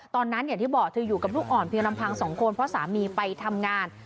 อย่างที่บอกเธออยู่กับลูกอ่อนเพียงลำพังสองคนเพราะสามีไปทำงาน